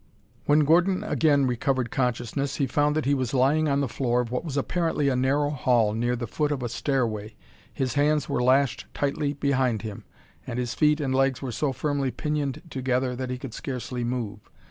When Gordon again recovered consciousness he found that he was lying on the floor of what was apparently a narrow hall, near the foot of a stairway. His hands were lashed tightly behind him, and his feet and legs were so firmly pinioned together that he could scarcely move.